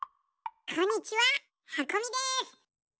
こんにちは！はこみです！